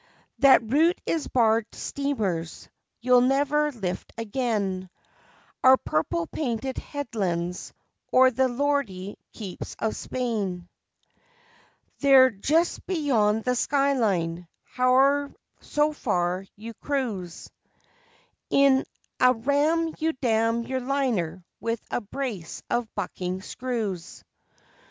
That route is barred to steamers: you'll never lift again Our purple painted headlands or the lordly keeps of Spain. They're just beyond the skyline, howe'er so far you cruise In a ram you damn you liner with a brace of bucking screws.